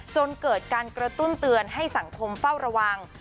จนเกิดการกระตุ้นเตือนให้สังคมเฝ้าระวัง